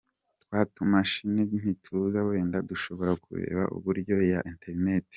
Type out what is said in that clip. Twatumashini nituza wenda dushobora kureba uburyo ya interineti .